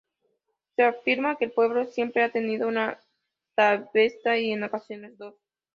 Se afirma que el pueblo siempre ha tenido una taverna y, en ocasiones, dos.